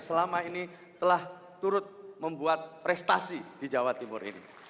ketika kita berubah ke jawa timur ini